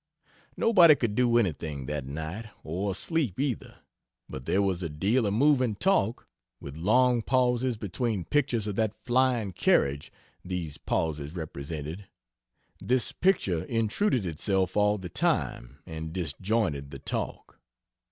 Nobody could do anything that night, or sleep, either; but there was a deal of moving talk, with long pauses between pictures of that flying carriage, these pauses represented this picture intruded itself all the time and disjointed the talk.